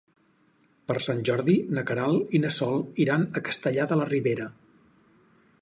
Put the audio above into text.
Per Sant Jordi na Queralt i na Sol iran a Castellar de la Ribera.